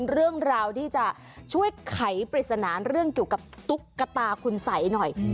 เรื่องราวที่จะช่วยไขปริศนาเรื่องเกี่ยวกับตุ๊กตาคุณสัยหน่อย